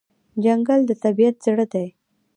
ځنګل د طبیعت زړه دی.